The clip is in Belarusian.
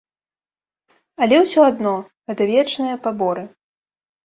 Але ўсё адно, гэта вечныя паборы.